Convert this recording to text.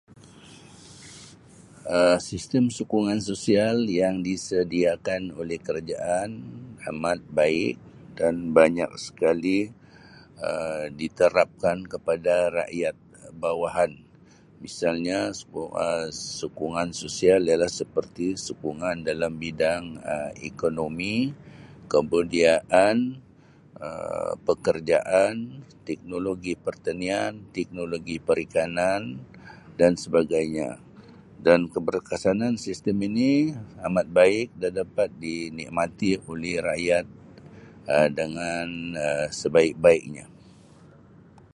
Um Sistem sokongan sosial yang disediakan oleh kerajaan amat baik dan banyak sekali diterapkan kepada rakyat bawahan misalnya sokongan sosial sokongan dalam bidang ekonomi, pekerjaan, teknologi, pertanian, teknologi perikanan dan sebagainya dan keberkesanan sistem ini amat baik dan dapat dinikmati oleh rakyat denagn sebaik-baiknya.